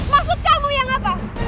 maksud kamu yang apa